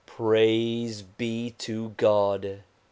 Praise be to God